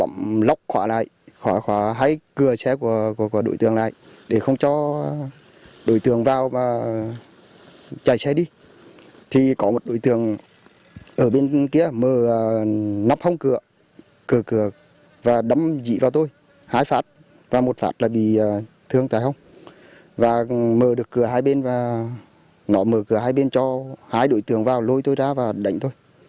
mở được cửa hai bên và nó mở cửa hai bên cho hai đối tượng vào lôi tôi ra và đánh thôi